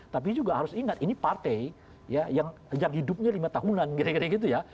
tapi juga harus ingat ini partai yang hidupnya lima tahunan kira kira gitu ya